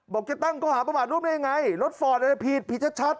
จะตั้งข้อหาประมาทร่วมได้ยังไงรถฟอร์ดอะไรผิดผิดชัด